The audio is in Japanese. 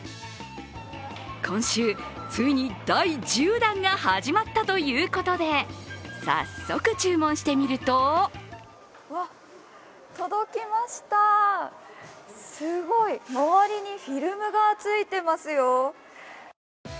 今週、ついに第１０弾が始まったということで、早速注文してみると届きましたー、すごい、周りにフィルムが付いてますよ。